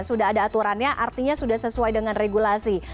sudah ada aturannya artinya sudah sesuai dengan regulasi